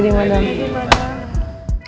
aduh kenceng banget ini